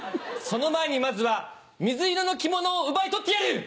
その前にまずは水色の着物を奪い取ってやる！